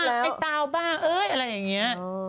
น้องป้าไอ้เตาป้าเอ๊ยอะไรอย่างนี้